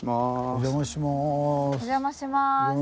お邪魔します。